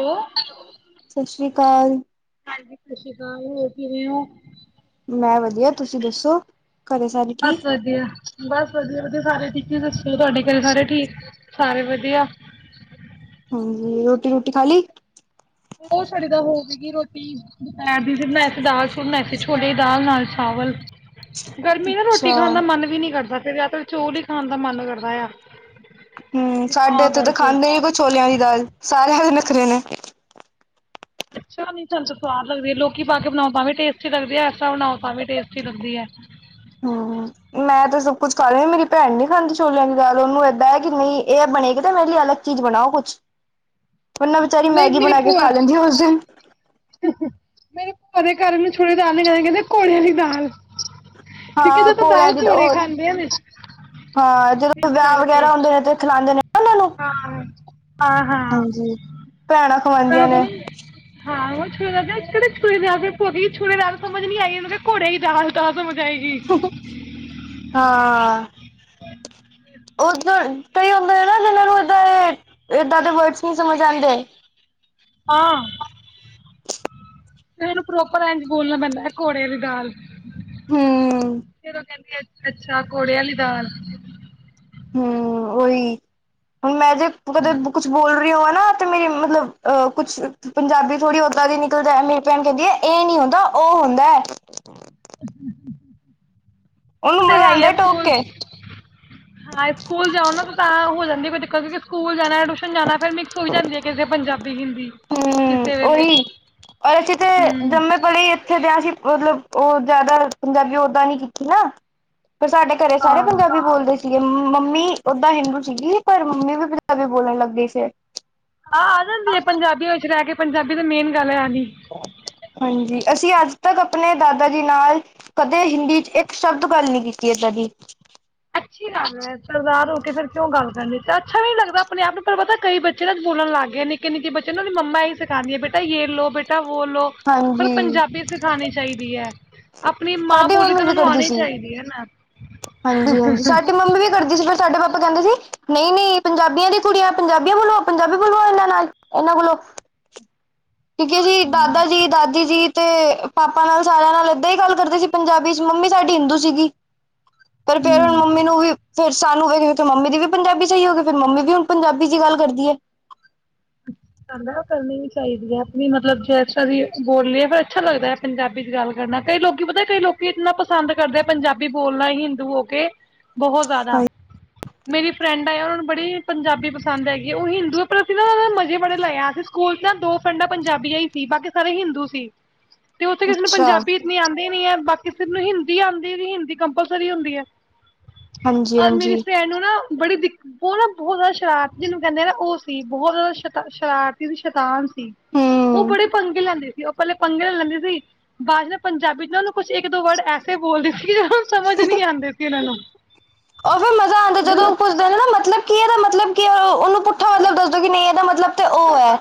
Hello ਸਤਿ ਸ੍ਰੀ ਅਕਾਲ। ਹਾਂਜੀ [unintelligible] ਮੈਂ ਵਧੀਆ ਤੁਸੀਂ ਦੱਸੋ ਘਰੇ ਸਾਰੇ ਬਸ ਠੀਕ ਵਧੀਆ ਬਸ ਵਧੀਆ ਸਾਰੇ ਠੀਕ ਦੱਸਿਓ ਤੁਹਾਡੇ ਘਰੇ ਸਾਰੇ ਠੀਕ ਸਾਰੇ ਵਧੀਆ ਹਾਂਜੀ ।ਰੋਟੀ -ਰੁਟੀ ਖਾਲੀ ਉਹ ਸ ਤਾਂ ਹੋਵੇਗੀ ਰੋਟੀ ਦੁਪੈਰ ਦੀ ਸੀ ਬਣਾਈ ਸੀ ਦਾਲ ਲ ਬਣਾਈ ਸੀ ਛੋਟ ਦਾਲ ਨਾਲ ਚਾਵਲ ਗਰਮੀ ਨਾ ਅੱਛਾ ਰੋਟੀ ਖਾਣ ਦਾ ਮਨ ਵੀ ਨੀ ਕਰਦਾ ਫੇਰ ਚੋਲ ਹੀ ਖਾਣ ਦਾ ਮਨ ਕਰਦਾ ਆ ਹਮ ਸਾਡੇ ਇਥੇ ਤਾਂ ਖਾਂਦੇ ਨ ਕੋਈ ਛੋਲਿਆਂ ਦੀ ਦਾਲ ਸਾਰੇ ਵੱਖਰੇ ਨੇ ਅੱਛਾ ਨੀ ਸਾਨੂੰ ਸਵਾਦ ਲੱਗਦੀ ਹੈ ਲੋਕੀ ਪਾ ਕੇ ਬਣਾਓ ਵੀ ਟੇਸਟੀ ਲਗਦੀ ਐਕ ਤਰਾਂ ਬਣਾਓ ਵੀ ਟੇਸਟੀ ਲੱਗਦੀ ਆ। ਹਮ ਮੈਂ ਤੇ ਸਭ ਕੁੱਛ ਖਾ ਲਹੀ ਮੇਰੀ ਭੈਣ ਨੀ ਖਾਂਦੀ ਛੋਲਿਆਂ ਦੀ ਦਾਲ ਉਹਨੂੰ ਏਦਾਂ ਹੈ ਕਿ ਨਹੀਂ ਇਹ ਬਣੇਗੀ ਤੇ ਮੇਰੇ ਲਈ ਅਲੱਗ ਚੀਜ਼ ਬਣਾਓ ਕੁਛ ਉਹਨਾਂ ਵਿਚਾਰੀ ਮੈਗੀ ਬਣਾ ਕੇ ਖਾ ਲੈਂਦੀ ਉਸ ਦਿਨ ਮੇਰੇ ਭੂਆ ਦੇ ਘਰ ਨ ਛੋਲਿਆ ਦੀ ਦਾਲ ਨ ਕਹਿੰਦੇ ਘੋੜੇ ਵਾਲੀ ਦਾਲ ਕਿਉਂਕਿ ਹਾਂ ਇਹਦੇ ਤਾਂ ਘੋੜਿਆਂ ਦਾਲ ਦੀਦੋਂ ਘੋੜੇ ਖਾਂਦੇ ਆ ਨੇ ਹਾਂ ਜਦੋਂ ਇਸ ਵਿਆਹ ਕਰਕੇ ਵਗੈਰਾ ਹੁੰਦੇ ਨੇ ਤੇ ਖਲਾਾਂਂਦੇ ਨੇ ਉਹਨਾਂ ਨੂੰ ਹਾਂ। ਆਹ ਹਾਂ ਹਾਂਜੀ ਭੈਣਾਂ ਖਵਾਉਂਦੀਆਂ ਉਹ ਨੇ [unintelligible] ਹੋ ਛੋਲਿਆ ਦੀ ਦਾਲ ਸਮਝ ਨੀ ਆਈ ਉਹ ਘੋੜੇ ਦੀ ਦਾਲ ਤਾਂ ਸਮਝ ਆਏਗੀ ਹਾਂ। ਉਦ ਕਈ ਹੁੰਦੇ ਨਾ ਜਿਨਾਂ ਨੂੰ ਏਦਾਂ ਏਦਾਂ ਦੇ ਵਰਡਸ ਨਹੀਂ ਸਮਝ ਆਉਂਦੇ। ਆਂ। ਤੇ ਇਹਨੂੰ ਪ੍ਰੋਕ ਪਰੰਜ ਬੋਲਣਾ ਪੈਂਦਾ ਹੈ ਘੋੜੇ ਦੀ ਦਾਲ। ਹੂੰ। ਜਦੋਂ ਕਹਿੰਦੀ ਅੱਛਾ ਘੋੜਿਆਂ ਵਾਲੀ ਦਾਲ ਹਮ ਓਹੀ ਹੁਣ ਮੈਂ ੇ ਕਦੇ ਕੁੱਛ ਬੋਲ ਰਹੀ ਹੋ। ਨਾ ਤੇ ਮੇਰੀ ਮਤਲਬ ਅਹ ਕੁਛ ਪੰਜਾਬੀ ਥੋੜੀ ਓਦਾਂ ਦੀ ਨਿਕਲਦਾ ਮੇਰੀ ਭੈਣ ਕਹਿੰਦੀ ਹੈ ਇਹ ਨੀ ਹੁੰਦਾ ਉਹ ਹੁੰਦਾ। [inaudible] ਉਹਨੂੰ ਤੇ ਮਜ਼ਾ ਹੈ ਹੀ ਹੈ ਆਉਂਦਾ ਟੋਕ ਸਕੂਲ ਕੇ। ਹਾਂ ਸਕੂਲ ਜਾਓ ਨਾ ਤਾਂ ਹੋ ਜਾਂਦੀ ਕੋਈ ਦਿੱਕਤ ਕਿਉਂਕਿ ਸਕੂਲ ਜਾਣਾ ਟਿਊਸ਼ਨ ਜਾਣਾ ਫਿਰ ਮਿਕਸ ਹੋਈ ਜਾਂਦੀ ਹੈ ਕਿਸੇ ਪੰਜਾਬੀ ਹਿੰਦੀ ਹਮ ਕਿਸੇ ਵੇਲੇ ਉਹੀ ਔਰ ਅਸੀਂ ਤੇ ਹੂੰ ਜੰਮੇ ਕੋਲੇ ਇੱਥੇ ਦਿਆ ਸੀ। ਮਤਲਬ ਉਹ ਜ਼ਿਆਦਾ ਪੰਜਾਬੀ ਓਦਾਂ ਨੀ ਕੀਤੀ ਨਾ ਫਿਰ ਸਾਡੇ ਘਰੇ ਸਾਰੇ ਹਾਂ ਪੰਜਾਬੀ ਬੋਲਦੇ ਸੀ। ਸੀਗੇ ਮੰਮੀ ਓਦਾਂ ਹਿੰਦੂ ਸੀਗੀ ਪਰ ਮੰਮੀ ਵੀ ਪੰਜਾਬੀ ਬੋਲਣ ਲੱਗੀ ਫਿਰ ਆਹ ਆ ਜਾਂਦੀ ਹੈ ਪੰਜਾਬੀਆਂ ਵਿੱਚ ਰਹਿ ਕੇ ਪੰਜਾਬੀ ਦਾ ਮੇਨ ਗੱਲ ਹੈ। ਆਣੀ ਹਾਂਜੀ ਅਸੀਂ ਅੱਜ ਤੱਕ ਆਪਣੇ ਦਾਦਾ ਜੀ ਨਾਲ ਕਦੇ ਹਿੰਦੀ ਚ ਇੱਕ ਸ਼ਬਦ ਗੱਲ ਨ ਕੀਤੀ ਇਦਾਂ ਦੀ ਅੱਛੀ ਲੱਗਦਾ ਸਰਦਾਰ ਹੋ ਕੇ ਫਿਰ ਕਿਉਂ ਗੱਲ ਕਰਨ ਦੇ ਅੱਛਾ ਵੀ ਨੀ ਲਗਦਾ ਆਪਣੇ ਆਪ ਨੂੰ ਪਰ ਪਤਾ ਕਈ ਬੱਚੇ ਤ ਬੋਲਣ ਲੱਗ ਗਏ ਨਿੱਕੇ ਬੱਚੇ ਨੂੰ ਉਹਦੀ ਮੰਮਾ ਹੀ ਸਿਖਾਦੀਆਂ ਬੇਟਾ ਲੋ ਬੇਟਾ। ਬੋਲੋ ਪਰ ਹਾਂਜੀ ਪੰਜਾਬੀ ਸਿਖਾਉਣੀ ਚਾਹੀਦੀ ਹੈ। ਆਪਣੀ ਮਾਂ ਸਾਡੀ ਬੋਟੀ ਮੰਮੀ ਤਾਂ ਵੀ ਉਹ ਨੂੰ ਕਰਦੀ ਆਉਣੀ ਸੀ ਚਾਹੀਦੀ ਹਨਾ। ਹਾਂਜੀ ਹਾਂਜੀ ਸਾਡੀ ਮੰਮੀ ਵੀ ਕਰਦੀ ਸੀ ਸਾਡੇ ਪਾਪਾ ਕਹਿੰਦੇ ਸੀ ਨਹੀਂ ਨਹੀਂ ਪੰਜਾਬੀਆਂ ਦੀ ਕੁੜੀਆਂ ਪੰਜਾਬੀਆਂ ਬੋਲੋ ਪੰਜਾਬੀ ਬੋਲੋ ਇਹਨਾਂ ਨਾਲ ਇਹਨਾਂ ਬੋਲੋ ਠੀਕ ਹੈ ਹਾਂ ਦਾਦਾ ਜੀ ਦਾਦੀ ਜੀ ਤੇ ਪਾਪਾ ਨਾਲ ਸਾਰਿਆਂ ਨਾਲ ਏਦਾਂ ਹੀ ਗੱਲ ਕਰਦੇ ਸੀ ਪੰਜਾਬੀ ਚ ਮੰਮੀ ਸਾਡੀ ਹਿੰਦੂ ਸੀਗੀ ਪਰ ਫਿਰ ਹਮ ਮੰਮੀ ਨੂੰ ਵੀ ਫਿਰ ਸਾਨੂੰ ਮੰਮੀ ਦੀ ਵੀ ਪੰਜਾਬੀ ਸਹੀ ਹੋ ਗਈ ਫਰ ਮੰਮੀ ਵੀ ਹੁਣ ਪੰਜਾਬੀ ਚ ਗੱਲ ਕਰਦੀ ਹੈ ਦਾ ਕਰਨੀ ਵੀ ਚਾਹੀਦੀ ਹੈ ਆਪਣੀ ਮਤਲਬ ਜੇ ਅਸੀਂ ਬੋਲੀਏ ਫਿਰ ਅੱਛਾ ਲੱਗਦਾ ਹੈ ਪੰਜਾਬੀ ਚ ਗੱਲ ਕਰਨਾ ਕਈ ਲੋਕੀ ਪਤਾ ਕਈ ਲੋਕੀ ਇੰਨਾ ਪਸੰਦ ਕਰਦੇ ਆ ਪੰਜਾਬੀ ਬੋਲਣਾ ਹੀ ਹਿੰਦੂ ਹੋ ਕੇ ਬਹੁਤ ਜ਼ਿਆਦਾ ਮੇਰੀ ਫਰੈਂਡ ਆਏ ਉਹਨਾਂ ਨੂੰ ਬੜੀ ਪੰਜਾਬੀ ਪਸੰਦ ਹੈਗੀ ਉਹ ਹਿੰਦੂਆਂ ਪ੍ਰਤੀ ਮਜ਼ੇ ਬੜੇ ਲਾਇਆ ਸੀ ਸਕੂਲ ਚ ਨਾ ਦੋ ਫਰੈਂਡ ਪੰਜਾਬੀਆਂ ਹੀ ਸੀ ਬਾਕੀ ਸਾਰੇ ਹਿੰਦੂ ਸੀ ਤੇ ਉੱਥੇ ਕਿਸੇ ਨੂੰ ਅੱਛਾ ਪੰਜਾਬੀ ਇਤਨੀ ਆਉਂਦੀ ਹੀ ਨੀ ਹੈ ਬਾਕੀ ਹਿੰਦੀ ਆਉਂਦੀ ਵੀ ਹਿੰਦੀ ਕੰਪਲਸਰੀ ਹੁੰਦੀ ਹੈ ਹਾਂਜੀ ਆ ਮੇਰੀ ਹਾਂਜੀ ਫਰੈਂਡ ਨੂੰ ਨਾ ਬੜੀ ਦਿਕ ਬੋਰਾ ਬੋਰਾ ਸ਼ਰਾਤ ਜਿਹਨੂੰ ਕਹਿੰਦੇ ਨਾ ਉਸ ਬਹੁਤ ਜ਼ਿਆਦਾ ਸ਼ ਸ਼ਰਾਰਤੀ ਦੀ ਸ਼ਤਾਂ ਉਹ ਹੂੰ। ਬੜੇ ਪੰਗੇ ਲੈਂਦੇ, ਉਹ ਪਹਿਲੇ ਪੰਗੇੇ ਲੈਂਦੀ ਸੀ ਬਾਅਦ ਪੰਜਾਬੀ ਚ ਨਾ ਉਹਨੂੰ ਕੁਛ ਇੱਕ ਦੋ ਵਰਡ ਐਸੇ ਬੋਲਦੇ ਸੀ। ਸਮਝ ਨੀ ਆਉਂਦੇ ਸੀ ਇਹਨਾਂ ਨੂੰ, ਉਹ ਫੇ ਮਜ਼ਾ ਆਉਂਦਾ ਜਦੋਂ ਕੁੱਛਦੇ ਨੇ ਨਾ ਮਤਲਬ। ਕੀ ਇਹਦਾ ਮਤਲਬ ਕੀ ਉਹ ਉਹਨੂੰ ਪੁੱਠਾ ਮਤਲਬ ਦੱਸੋ ਕਿ ਨਹੀਂ ਇਹਦਾ ਮਤਲਬ ਤੇ ਉਹ ਹੈ,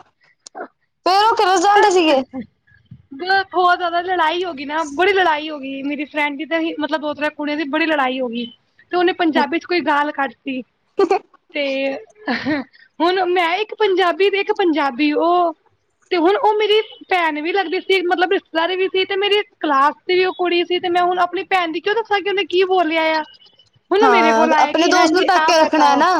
ਫੇਰ ਉਹ ਕਿ [inaudible] ਬਹੁਤ ਜ਼ਿਆਦਾ ਲੜਾਈ ਹੋ ਗਈ ਨਾ ਬੜੀ ਲੜਾਈ ਹੋ ਗਈ ਮੇਰੀ ਫਰੈਂਡ ਦੀ ਤਾਂ ਹੀ ਮਤਲਬ ਦੋ ਤ੍ਰ ਕੁੜੀਆਂ ਦੀ ਬੜੀ ਲੜਾਈ ਹੋ ਗਈ। ਤੇ ਉਹਨੇ ਪੰਜਾਬੀ ਚ ਕੋਈ ਗਾਲ ਕੱਢਤੀ, ਤੇ ਹੁਣ ਮੈਂ ਇੱਕ ਪੰਜਾਬੀ ਤੇ ਇੱਕ ਪੰਜਾਬੀ ਉਹ ਤੇ ਹੁਣ ਉਹ ਮੇਰੀ ਭੈਣ ਵੀ ਲੱਗਦੀ ਸੀ ਮਤਲਬ ਰਿਸ਼ਤੇਦਾਰੀ ਵੀ ਸੀ ਤੇ ਮੇਰੀ ਕਲਾਸ ਦੀ ਵੀ ਉਹ ਕੁੜੀ ਸੀ ਤੇ ਮੈਂ ਹੁਣ ਆਪਣੀ ਭੈਣ ਦੀ ਕਿਉਂ ਦੱਸਾਂ ਕਿ ਉਹਨੇ ਕੀ ਬੋਲਿਆ ਆ। ਹੁਣ ਉਹ ਮੇਰੇ ਹਾਂ ਕੋਲ ਆਏ ਆਪਣੇ ਕਿ ਦੋਸਤ ਨੂੰ ਟੱਕ ਕੇ ਰੱਖਣਾ ਨਾ।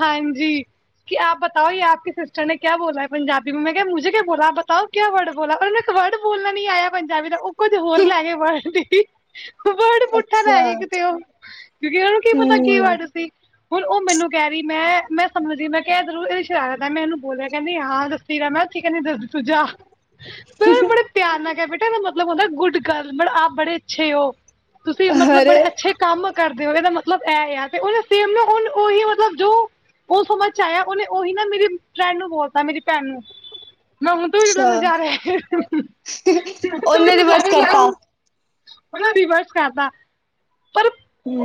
ਹਾਂਜੀ, ਕਿ ਆਪ ਬਤਾਓ ਆਪ ਕੀ ਸਿਸਟਰ ਨੇ ਕਿਆ ਬੋਲਾ ਹੈ ਪੰਜਾਬੀ ਮੇ ਮੈਂ ਕਿਹਾ ਮੁਝੇ ਕਿਆ ਬੋਲਾ ਤਾਂ ਉਹ ਕਿਆ ਵਰਡ ਬੋਲ ਪਰਨੂੰ ਇੱਕ ਵਰਡ ਬੋਲਣਾ ਨ ਨਹੀਂ ਆਇਆ। ਪੰਜਾਬੀ ਦਾ ਉਹ ਕੁੱਝ ਹੋਰ ਲੈ ਕੇ ਵਰ [unintelligible] ਵਰੜ ਪੁੱਠਾ ਲੈ ਅੱਛਾ ਸੀ ਕਿਤੇ ਉਹ ਕਿਉਂਕਿ ਉਹਨੂੰ ਕੀ ਪਤਾ ਕੀ ਹੂੰ। ਵਰਡ ਸੀ ਹੁਣ ਉਹ ਮੈਨੂੰ ਕਹਿ ਰਹੀ ਮੈਂ, ਮੈਂ ਸਮਝ ਗਈ ਮੈਂ ਕਿਹਾ ਜ਼ਰੂਰ ਇਹਦੀ ਸ਼ਰਾਰਤ ਮੈਨੂੰ ਬੋਲਿਆ ਕਹਿੰਦੀ ਹਾਂ ਦ ਤੀਰਾ ਮੈਂ ਕਹਿੰਦੀ ਦੱਧ ਤੂੰ ਜਾ, ਬੜੇ ਪਿਆਰ ਨਾਲ ਕਹਿ ਬੇ ਦਾ ਮਤਲਬ ਹੁੰਦਾ ਗੁੱਡ ਗਰਲ ਮਤਲਬ ਆਪ ਬੜੇ ਅੱਛੇ ਹੋ। ਤੁਸੀਂ ਮਤਲਬ ਅਰੇ ਬੜੇ ਅੱਛੇ ਕੰਮ ਕਰਦੇ ਹੋ ਇਹਦਾ ਮਤਲਬ ਇਹ ਆ ਤੇ ਉਹ ਸੇਮ ਨਾ ਉਹਨੂੰ ਉਹੀ ਮਤਲਬ ਜੋ ਉਹ ਚ ਆਇਆ ਉਹਨੇ ਉਹੀ ਨਾ ਮੇਰੀ ਫਰੈਂਡ ਨੂੰ ਬੋਲਤਾ ਮੇਰੀ ਭੈਣ ਨੂੰ ਮੈਨੂੰ ਤ ਜਹੜੇ ਅੱਛਾ। ਨਜ਼ਾਰੇ ਤੂੰ ਉਹਨੇ ਰਿਵਰਸ ਨਜ਼ਾਰੇ ਲਾ ਕਰਤਾ। ਉਹਨੇ ਰਿਵਰਸ ਕਰਦਾ ਪਰ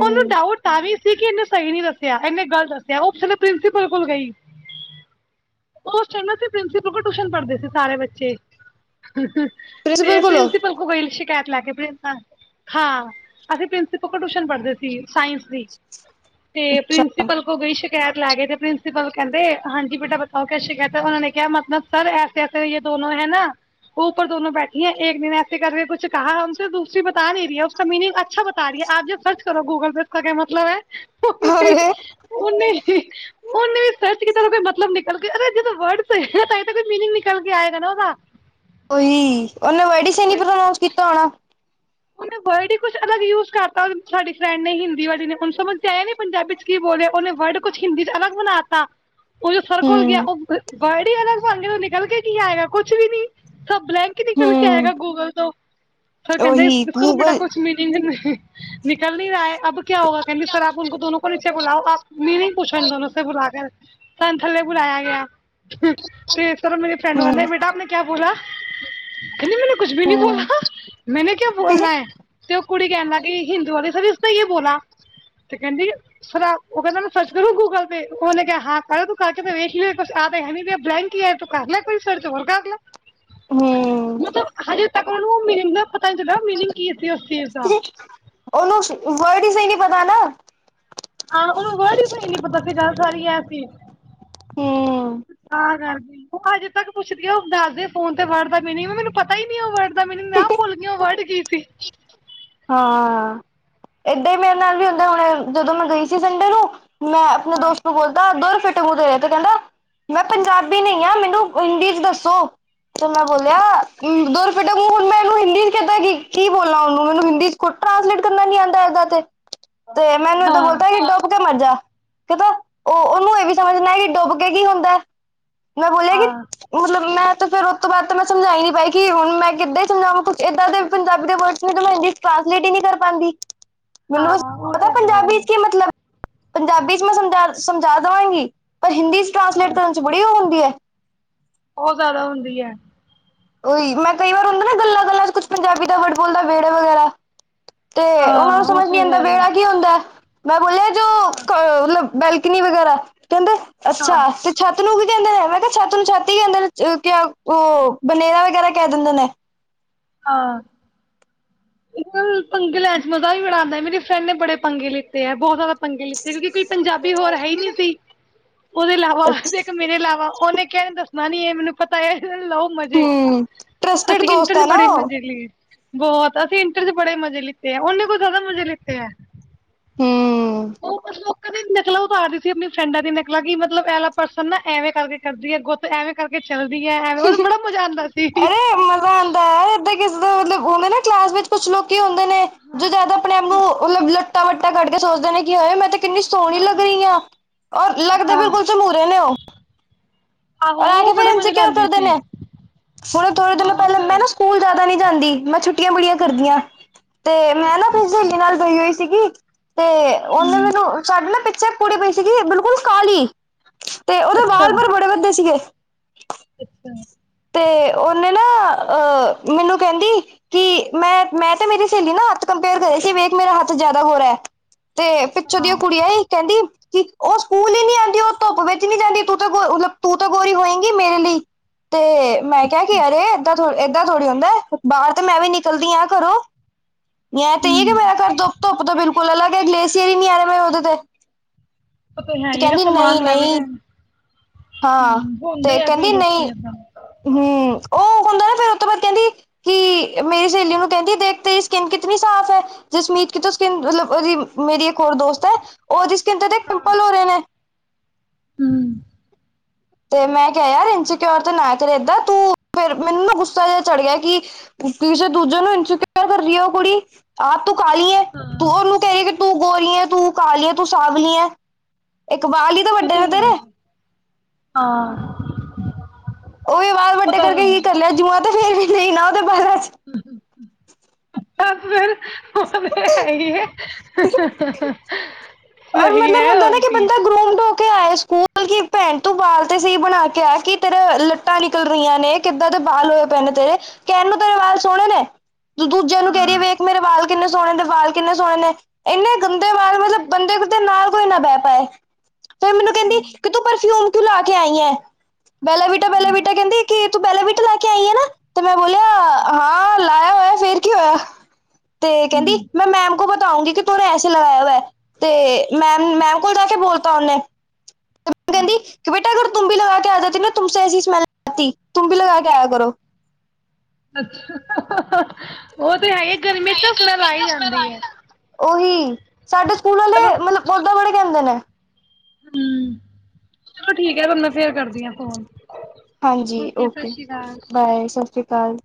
ਉਹਨੂੰ ਡਾਊਟ ਤਾਂ ਵੀ ਸੀ ਕਿ, ਇਹਨੇ ਸਹੀ ਨਹੀਂ ਦੱਸਿਆ ਇਹਨੇ ਗਲਤ ਦੱਸਿਆ। ਉਸੇਲੇ 'ਪ੍ਰਿੰਸੀਪਲ ਕੋਲ ਗਈ ਉਸ ਚਹਿੰਦਾ ਸੀ, 'ਪ੍ਰਿੰਸੀਪਲ ਕੋਲ ਟਿਊਸ਼ਨ ਪੜ੍ਹਦੇ ਸੀ ਸਾਰੇ ਬੱਚੇ ਤੇ 'ਪ੍ਰਿੰਸੀਪਲ ਕੋਲ ਗਈ ਸੀ। ਕੈ ਲੈ ਕੇ ਹਾਂ। ਅਸੀਂ 'ਪ੍ਰਿੰਸੀਪਲ ਕੋਲ ਟਿਊਸ਼ਨ ਪੜ੍ਹਦੇ ਸੀ। ਸਾਇੰਸ ਦੀ, ਤੇ ਅੱਛਾ 'ਪ੍ਰਿੰਸੀਪਲ ਕੋ ਗਈ ਸੀ ''ਸ਼ਿਕਾਇਤ ਲੈ ਗਏ ਤੇ, 'ਪ੍ਰਿੰਸੀਪਲ ਕਹਿੰਦੇ ਹਾਂਜੀ ਬੇਟਾ ਬਤਾਓ? ਕਿਆ ਸ਼ਿਕਾਇਤ ਹੈ। ਉਹਨਾਂ ਨੇ ਕਿਹਾ ਮਤਲਬ ਸਰ ਐਸੇ-ਐਸੇ ਯੇ ਦੋਨੋ ਹੈ ਨਾ-। ਵੋ ਉੱਪਰ ਦੋਨੋ ਬੈਠੀ ਹੈ। ਏਕ ਦਿਨ ਐਸੇ ਕਰਕੇ ਕੁਛ ਕਹਾ ਹ ਦੂਸਰੀ ਬਤਾ ਨਹੀਂ ਰਹੀ ਹੈ, ਉਸ ਮੀਨਿੰਗ ਅੱਛਾ ਬਤਾ ਰਹੀ ਹੈ, ਆਪ ਜਰਾ ਸਰਚ ਕਰੋ ''ਗੂਗਲ ਪੇ। ਉਸ ਕਾ ਕਿਆ ਮਤਲਬ ਹੈ? ਉਹਨੇ ਅਰੇ ਉਹਨੇ ਵੀ 'ਸਰਚ ਕੀਤਾ, ਮਤਲਬ ਨਿਕਲ ਜਦੋਂ ਵਰਡ ਕੋਈ ਮੀਨਿੰਗ ਨਿਕਲ ਕੇ ਆਏਗਾ ਨਾ ਉਹਦਾ ਓਹੀ ਉਹਨੇ ਵਰਡੀ ਸਹੀ ਨੀ 'ਪ੍ਰਨਾਂਊਸ ਕੀਤਾ ਹੋਣਾ। ਉਹਨੇ ਵਰਡ ਹੀ ਕੁਛ ਅਲਗ ਯੂਜ ਕਰਤਾ। ਸਾਡੀ ਫਰੈਂਡ ਨੇ ਹਿੰਦੀ ਵਾਲੀ ਨੇ, ਉਹਨੂੰ ਸਮਝ ਆ ਨ ਪੰਜਾਬੀ'ਚ ਕੀ ਬੋਲਿਆ ਉਹਨੇ ਵਰਡ ਕੁਛ ਹਿੰਦੀ'ਚ ਅਲੱਗ ਬਣਾ ਤ ''ਉਹ ਜੋ ਸਰ ਕੋਲ ਗਿਆ ਹੂੰ ਉਹ ਬੜੀ ਇਹ [unintelligible] ਨੂੰ ਨਿਕਲ ਕੇ ਕੀ ਆਏਗਾ ਕੁਛ ਵੀ ਨੀ ''ਬਲੈਂਕ ਨਿਕਲ ਕੇ ਆਏਗਾ ਹੂੰ ਗੂਗਲ ਤੋਂ, ਫੇਰ ਕਹਿੰਦੇ ਉਹੀ ਬੇ ਗੂਗਲ ਕੁਛ ਮਿਲਿੰ ਨਿਕਲ ਨਹੀਂ ਰਹਾ ਹੈ ਅਬ ਕਿਆ ਹੋਗਾ? ਕਹਿੰਦੇ ਸਰ ਆਪ ਦੋਨੋ ਕੋ ਨੀਚੇ ਬੁਲਾਓ। ਆਪ ਨੇ ਨਹੀਂ ਪੁੱਛੋ ਦੋਨੋ ਬੁਲਾ ਕਰ ਸਾੰਨ ਥੱਲੇ ਬੁਲਾਇਆ ਗਿਆ। ਤੇ ਸਰ ਮੇਰੀ 'ਫਰੈਂਡ ਨੀ ਹੂੰ ਕਹਿੰਦੇ ''ਬੇਟਾ। ਆਪ ਨੇ ਕਿਆ ਬੋਲਾ। [unintelligible] ਕਹਿੰਦੀ ''ਮੈਨੇ ਕੁੱਝ ਵੀ ਨਹੀਂ ਬੋਲਾ ਹੂੰ ''ਮੈਂਨੇ ਕਿਆ ਬੋਲਣਾ ਹੈ ਤੇ 'ਉਹ ਕੁੜੀ ਕਹਿਣ ਲਾਗੀ ਕਿ ਹਿੰਦੂਆਂ ਦੀ ਸ ਤੇ ਬੋਲਾ ਤੇ, ਕਹਿੰਦੀ ਸਰ ਉਹ ਕਹਿੰਦਾ ਮੈਂ ਸਰਚ ਕਰੂੰ ''ਗੂਗਲ ਪੇ ਉਹਨੇ ਕਿਹਾ ਹਾ ਤੂੰ ਕਕੇ ਮ ਵੇਖ ਹੈ ਬਲੈਂਕ ਕੀ ਤੂੰ ਕਰ ਲ ਕੋਈਸ ਤੇ ਹੋਰ ਕਰਲਾ ਹੂੰ। ਮਤਲਬ! ਹਜੇ ਉਹ ਮੀਨਿੰਗ ਦਾ ਪਤਾ ਨਹੀਂ ਚੱਲਿਆ ਮੀਨਿੰਗ ਕੀ ਸੀ ਉਸ ਚੀਜ਼ ਦਾ ਉਹਨੂੰ ਵਰਡ ਹੀ ਸਹੀ ਬਦਾਨ ਹਾਂ। ਉਹਨੂੰ ਵਰਡ ਕੋਈ ਨੀ ਪਤਾ ਸੀ ਗਾਲ ਸਾਰੀ ਐ ਸੀ। ਹੂੰ। ਕਰਦੇ ''ਉਹ ਅਜੇ ਤੱਕ ਪੁੱਛਦੀ ਆ, ''ਉਹ ਦੱਸਦੇ ਫੋਨ ਤੇ, ਵਰਡ ਦਾ ਮਨ ''ਮੈਨੂੰ ਪਤਾ ਹੀ ਨਹੀਂ ਉਹ ਵਰਡ ''ਮੈਨੂੰ ਮ ਕਿਹਾ ਭੁੱਲ ਗਈ, ਉਹ ਵਰਡ ਗੀ। ਪਖੀ [unintelligible] ਹਾਂ। ਏਦਾਂ ਹੀ ਮੇਰੇ ਨਾਲ ਵੀ ਹੁੰਦਾ, ਹੁਣ ਜਦੋਂ ''ਮੈਂ ਗਈ ਸੀ ਸੰਡੇ ਨੂੰ। ''ਮੈਂ ਆਪਣੇ ਹਾਂ ਦੋਸਤ ਨੂੰ ਬੋਲਦਾ ਓਦਰ ਟਟੂਰੂ ਜਿਹਾ ਕਹਿੰਦਾ ਮੈਂ ਪੰਜਾਬੀ ਨਹੀਂ ਆ, ਮੈਨੂੰ ਹਿੰਦੀ ਚ ਦੱਸੋ। ਤੇ ਮੈਂ ਬੋਲਿਆ, ਦੁਰ ਫਿੱ ਮੈਂ ਉਹਨੂੰ ਹਿੰਦੀ ਚ ਕਿੱਦਾ ਕੀ ਬੋਲਾ, ਉਹਨੂੰ ਮੈਨੂੰ ਇਸ ਕੋ ਟ੍ਰਾਂਸਲੇਟ ਕਰਨਾ ਨੀ ਆਉਂਦਾ, ਏਦਾਂ ਤੇ ਤੇ ਮੈਨੂੰ ਏਦਾਂ ਹਾਂ ਬੋਲਤਾ ਕਿ ਮਰਜਾ, ਕਿ ਉਹ ਉਹਨੂੰ ਇਹ ਵੀ ਸਮਝ ਨਹੀਂ ਆਈ ਕਿ ਡੁੱਬ ਕੇ, ਕੀ ਹੁੰਦਾ? ਮੈਂ ਬੋਲਿਆ ਕਿ, ਹਾਂ ਮਤਲਬ ਮੈਂ ਤੇ ਫਿਰ ਉਹ ਤੋਂ ਬਾਅਦ ਤਾਂ ਮੈਂ ਸਮਝਾਈ ਨੀ ਪਾਈ ਕਿ, ਹੁਣ ਮੈਂ ਕਿੱਦਾਂ ਹੀ ਸਮਾਝਾਵਾਂ, ਕੁੱਝ ਇੱਦਾਂ ਦੇ ਪੰਜਾਬੀ ਦੇ ਵਰਡ ਮੈਂ ਹਿੰਦੀ ਟ੍ਰਾਂਸਲੇਟ ਹੀ ਨਹੀਂ ਕਰ ਪਾਉਂਦੀ। ਮੈਨੂੰ ਹਾਂ ਉਹ ਪਤਾ ਤੇ ਹੈ ਹੀ ਪੰਜਾਬੀ ਹੈ ਚ ਕੀ ਮਤਲਬ ਪੰਜਾਬੀ ਚ ਮੈਂ ਸਮਝਾ- ਸਮਝਾ ਦੇਵਾਂਗੀ। ਪਰ ਹਿੰਦੀ ਚ ਟਰਾਂਸਲੇਟ ਕਰਨ ਚ ਬੜੀ ਉਹ ਹੁੰਦੀ ਹੈ ਉਹ ਜ਼ਿਆਦਾ ਹੁੰਦੀ ਹੈ। ਉਹੀ ਮੈਂ ਕਈ ਵਾਰ ਹੁੰਦਾ, ਨਾ ਗੱਲਾਂ- ਗੱਲਾਂ ਚ ਕੁਛ ਪੰਜਾਬੀ ਦਾ ਵਰਡ ਬੋਲਦਾ ਵਿਹੜਾ, ਵਗੈਰਾ। ਤੇ ਉਹਨਾ ਨੂੰ ਹਾਂ ਉਹ ਸਮਝ ਨੀ ਤੇ ਆਉਂਦਾ ਹੈ ਹੀ ਹੈ ਵਿਹੜਾ ਕੀ ਹੁੰਦਾ? ਮੈਂ ਬੋਲਿਆ ਜੋ ਹਾਂ। ਮਤਲਬ ਬੈਲਕਨੀ, ਵਗੈਰਾ। ਕਹਿੰਦੇ ਹਾਂ ਅੱਛਾ, ਤੇ ਛੱ ਛੱਤ ਨੂੰ ਕੀ ਕਹਿੰਦੇ ਹੈ? ਮੈਂ ਕਿਹਾ ਛੱਤ ਨੂੰ ਛੱਤ ਹੀ ਕਹਿੰਦੇ ਨੇ ਉਹ ਬਨੇਰਾ, ਵਗੈਰਾ ਕਹਿ ਦਿੰਦੇ ਨੇ। ਹਾਂ। ਪੰੰਗੇ ਲੈਣ ਚ ਮਜ਼ਾ ਵੀ ਬੜਾ ਆਉਂਦਾ, ਮੇਰੇ ਫਰੈਂਡ ਨੇ ਬੜੇ ਪੰਗੇ ਲਿੱਤੇ ਏ, ਬਹੁਤ ਜ਼ਿਆਦ ਪੰਗੇ ਲਿਤੇ ਕਿਉਂਕਿ ਕੋਈ ਪੰਜਾਬੀ ਹੋਰ ਹੈ ਈ ਨਹੀਂ ਸੀ, ਉਹਦੇ ਇਲਾਵਾ ਤੇ ਇੱਕ ਮੇਰੇ ਇਲਾਵਾ, ਉਹਨੇ ਕਿਹਾ ਦੱਸਣਾ ਨੀ ਇਹ ਮੈਨੂੰ ਪਤਾ ਏ। ਲਓ ਮਜ਼ੇ, ਹੂੰ ਟਰਸਟਡ ਅਸੀਂ ਦੋਸਤ ਇੰਟਰ [unintelligible] ਹੈ ਨਾ ਬੜੇ ਉਹ ਮਜ਼ੇ ਲੀਏ ਬਹੁਤ ਅਸੀਂ ਇੰਟਰ ਚ ਬੜੇ ਮਜ਼ੇ ਲਿਤੇ ਆ, ਉਹਨੇ ਕੋਈ ਜ਼ਿਆਦਾ ਮਜੇ ਲਿਤੇ ਆ ਹੂੰ। ਉਹ [unintelligible] ਕਦੇ ਨਕਲਾ ਉਤਾਰ ਰਹੀ ਸੀ, ਅਪਨੀ ਫਰੈਂਡਾਂ ਦੀ ਨਕਲਾਂ ਕਿ ਮਤਲਬ ਐ ਲਾ ਪਰਸਨ ਨਾ ਐਵੇਂ, ਕਰਕੇ ਕਰਦੀ ਹੈ ਗੁੱਤ ਐਵੇਂ ਕਰਕੇ ਚੱਲਦੀਆਂ ਐਵੇਂ ਉਹਨੂੰ ਬੜਾ ਮਜ਼ਾ ਆਂਦਾ ਸੀ। ਅਰੇ ਮਜ਼ਾ ਆਂਦਾ ਹੈ ਏਦਾਂ ਕਿਸੇ ਮਤਲਬ ੳਵੇ ਨਾ ਕਲਾਸ ਵਿੱਚ ਕੁਛ ਲੋਕੀ ਹੁੰ ਨੇ ਜੋ ਹਾਂ ਜਿਆਦਾ ਆਪਣੇ ਆਪ ਨੂੰ ਮਤਲਬ [unintelligible] ਵੱਡਾ ਕੱਢ ਕੇ ਸੋਚਦੇ ਨੇ ਕੀ ਹੋਏ ਮੈਂ ਤੇ ਕਿੰਨੀ ਸੋਹਣੀ ਲੱਗ ਰਹੀ ਆ, ਔਰ ਲੱਗਦੇ ਹਾਂ ਬਿਲਕੁਲ ਝਮੂਰੇ ਨੇ ਉਹ ਆਹੋ ਉਹ ਬੜੇ ਮਜ਼ੇ ਲੈਂਦੀ ਸੀ ਫਿਰ ਥੋੜੇ ਦਿਨ ਪਹਿਲੇ ਬਹੁਤ ਮੈਂ ਨਾ ਸਕੂਲ ਜਾ ਨਹੀਂ ਜਾਂਦੀ ਮੈਂ ਛੁੱਟੀ ਛੁਟੀਆਂ ਬੜੀਆਂ ਹੂੰ ਕਰਦੀਆਂ ਤੇ ਮੈਂ ਨਾ ਅੱਛਾ ਫਿਰ ਅੱਛਾ ਸਹੇਲੀ ਨਾਲ ਗਈ ਹੋਈ ਸੀਗੀ [inaudible] ਤੇ ਉਹਨੇ ਹੂੰ ਮੈਨੂੰ ਛੱਡ ਨਾ ਪਿੱ ਛਾ ਕੁੜੀ ਪਈ ਸੀਗੀ ਬਿਲਕੁਲ ਕਾਹਲੀ ਅੱਛਾ ਠੀਕ ਹੈ। ਅੱਛਾ। ਤੇ ਉਹਨੇ ਨਾ ਅ ਮੈਨੂੰ ਕਹਿੰਦੀ ਕਿ, ਮੈਂ ਮੈਂ ਤੇ ਮੇਰੀ ਸਹੇਲੀ ਨਾ ਹੱਥ ਕੰਪੇਅਰ ਕਰੇ ਸੀ ਵੇਖ ਮੇਰਾ ਹੱਥ ਜਿਆਦਾ ਗੋਰਾ ਐ ਤੇ ਪਿੱਛੋਂ ਹਾਂ ਦੀਆਂ ਕੁੜੀਆਂ ਈ ਕਹਿੰਦੀ ਕਿ ਉਹ ਸਕੂਲ ਈ ਨੀ ਆਂਦੀ ਉਹ ਧੁੱਪ ਵਿੱਚ ਨੀ ਜਾਂਦੀ ਤੂੰ ਤਾਂ ਗੋ ਮਤਲਬ ਤੂੰ ਤਾਂ ਗੋਰੀ ਹੋਏਗੀ ਮੇਰੇ ਲਈ ਤੇ ਮੈਂ ਕਿਹਾ ਅੱਛਾ ਕੇ ਅਰੇ ਏਦਾਂ ਥੋ ਏਦਾਂ ਥੋੜ੍ਹੀ ਹੁੰਦੇ ਬਾਹਰ ਤੇ ਮੈਂ ਵੀ ਨਿਕਲਦੀ ਆਂ ਘਰੋਂ ਨ ਤੇ ਇਹ ਹੈ ਮੇ ਹੂੰ ਘਰ ਧੁੱਪ ਬਿਲਕਲ ਫੁਲ ਅਲੱਗ ਹੈ ਗਲੇਸ਼ੀਅਰ ਹੀ ਨੀ ਆ ਰਿਹਾ ਉਹਦੇ ਉਹ ਤੇ ਹੈਈਐ ਗਾ ਕਹਿੰਦੀ ਸਮਾਨ ਨਹੀਂ ਮੈਂ ਵੀ ਨਹੀਂ ਲੈਨ ਹਾਂ, ਤੇ ਕਹਿੰਦੀ, ਨਹੀਂ, ਲੋਕੀ ਏਦਾਂ ਹਮ ਉਹ ਹੁੰਦੇ ਨਾ ਫ਼ਿਰ ਤੋਂ ਬਾਅਦ ਕਹਿੰਦੀ ਕਿ, ਮੇਰੀ ਸਹੇਲੀ ਨੂੰ ਕਹਿੰਦੀ, ਦੇਖ ਤੇਰੀ ਸਕਿੰਨ ਕਿਤਨੀ ਸਾਫ਼ ਹੈ ਜਸਮੀਤ ਕਿ ਤੋ ਸਕਿੰਨ ਮਤਲਬ ਉਹਦੀ ਮੇਰੀ ਇੱਕ ਹੋਰ ਦੋਸਤ ਹੈ ਉਹਦੀ ਸ ਕਿ ਏਦੇ ਦੇਖ ਪਿੰਪਲ ਹੋ ਰਹੇ ਨੇ ਹਮ ਤੇ ਮੈਂ ਕਿਹਾ ਯਾਰ ਇਨਸਿਕਿਓਰ ਤੇ ਨਾ ਕਰ ਏਦਾਂ ਤੂੰ, ਫਿਰ ਮੈਨੂੰ ਨਾ ਗੁੱਸਾ ਜਿਹਾ ਚੜ ਗਿਆ ਕਿ ਕਿਸੇ ਦੂਜੇ ਨੂੰ ਇਨਸਿਕਿਓਰ ਕਰ ਰਹੀ ਉਹ ਕੁੜੀ ਆਪ ਤੂੰ ਕਾਹਲੀ ਏ ਹਾਂ ਤੂੰ ਉਹਨੂੰ ਕੇਰੀ ਕਿ ਤੂੰ ਗੋਰੀ ਏ, ਤੂੰ ਕਾਲੀ ਏ, ਤੂੰ ਸਾਵਲੀ ਏ ਇੱਕ ਵਾਲ ਈ ਤੇ ਉਹ ਵੱਡੇ ਨੇ ਹੈ ਹੀ ਤੇਰੇ ਹਾਂ। ਉਹ ਈ ਵਾਲ ਉਹ ਵੱਡੇ ਕਰਕੇ ਕੀ ਕਰ ਲਿਆ, ਜੂਆਂ ਤੇ ਫੇਰ ਵੀ ਨਈ ਨਾ ਉਹਦੇ ਬਾਲਾਂ ਚ ਹ ਹ ਹ ਤਾਂ ਫੇਰ ਉਹ ਤੇ ਹੈ ਈ ਏ। ਸਹੀ ਹੈ। ਹੋਰ ਕੀ। ਔ ਤੇ ਆਏ ਸਕੂਲ ਕੀ ਪੈਂਟ ਤੂੰ ਬਾਲ ਤੇ ਸਹੀ ਬਣਾ ਕੇ ਆ। ਕੀ ਤੇਰੇ ਲੱਟਾਂ ਨਿਕਲ ਰਹੀਆਂ ਨੇ, ਕਿੱਦਾਂ ਦੇ ਬਾਲ ਹੋਏ ਪਏ ਨੇ ਤੇਰੇ, ਕਹਿਣ ਨੂੰ ਤੇਰੇ ਵਾਲ ਸੋਹਣੇ ਨੇ। ਤੂੰ ਦੂਜੇ ਨੂੰ ਕਹ ਰਈ ਹਾਂ ਵੇਖ ਮੇਰੇ ਵਾਲ ਕਿੰਨੇ ਸੋਹਣੇ ਨੇ ਬਾਲ, ਕਿੰਨੇ ਸੋਣੇ ਨੇ। ਇੰਨੇ ਗੰਦੇ ਵਾਲ, ਮਤਲਬ ਬੰਦੇ ਤੇ ਨਾਲ ਕੋਈ ਨਾ ਬਹ ਪਾਏ। ਫਿਰ ਮੈਨੂੰ ਕਹਿੰਦੀ ਹੂੰ ਕਿ ਤੂੰ ਪਰਫਿਊਮ ਤੂੰ ਲਾ ਕੇ ਆਈ ਏਂ ਬੇਲਾ ਬਿਟਾ- ਬੇਲਾ ਹਾਂ ਬਿਟਾ ਕਹਿੰਦੀ ਕਿ ਤੂੰ ਬੈਲਾ ਬਿਟਾ ਲਾ ਕੇ ਆਈ ਆ ਨਾ। ਤਾਂ ਮੈਂ ਬੋਲਿਆ, ਹਾਂ ਲਾਇਆ ਹੋਇਆ ਫਿਰ ਕੀ ਹੋਇਆ। ਤੇ ਕਹਿੰਦੀ ਹੂੰ ਮੈਂ ਮੈਮ ਕੋ ਬਤਾ ਉਂਗੀ ਕਿ ਤੂੰਨੇ ਐਸੇ ਲਗਾਇਆ ਹੁਆ ਹੈ। ਤੇ ਮੈਮ ਮੈਮ ਕੋਲ ਜਾ ਕੇ ਬੋਲ ਤਾਂ ਉਹਨੇ ਮੇਨੂੰ ਹਾਂ ਕਹਿੰਦੀ ਬੇਟਾ ਅਗਰ ਤੁਮ ਭੀ ਲਗਾ ਕੇ ਆ ਜਾਤੀ ਨਾ ਤੁਮ ਸੇ ਐਸੀ ਸਮੈਲ ਆਤੀ। ਤਮ ਭੀ ਲਗਾ ਕੇ ਆਇਆ ਕਰੋ। ਅੱਛਾ, ਹਾ। ਉਹ ਤੇ ਹੈ ਈ ਏ, ਗਰਮੀ ਚ ਤਾਂ ਸਮੈਲ ਆ ਹੀ ਜਾਂਦੀ ਹੈ। ਔਹੀ ਸਾਡੇ ਸਕੂਲ ਵਾਲੇ ਮਤਲਬ ਉਦਾਂ ਬੜੇ ਕਹਿੰਦੇ ਨੇ ਹੂੰ, ਚਲੋ ਠੀਕ ਹੈ ਤੁਹਾਨੂੰ ਮੈਂ ਫਿਰ ਕਰਦੀ ਹੈ ਫੋਨ। ਹਾਂਜੀ ਓਕੇ ਸਤਿ ਔਕੇ ਸ਼੍ਰੀ ਅਕਾਲ ਬਾਏ, ਸਤਿ ਸ਼੍ਰੀ ਕਾਲ